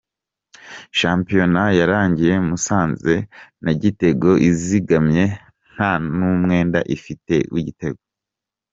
Shampiyona yarangiye Musanze nta gitego izigamye, nta n’umwenda ifite w’igitego.